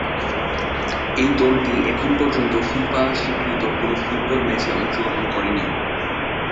এই দলটি এখন পর্যন্ত ফিফা স্বীকৃত কোনো ফুটবল ম্যাচে অংশগ্রহণ করেনি।